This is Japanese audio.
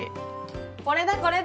これだこれだ！